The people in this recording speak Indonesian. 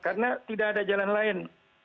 karena tidak ada jalan lain